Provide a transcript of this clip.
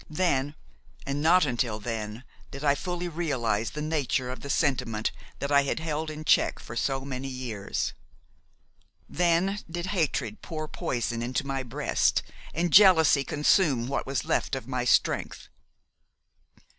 Then and not till then did I fully realize the nature of the sentiment that I had held in check so many years. Then did hatred pour poison into my breast and jealousy consume what was left of my strength.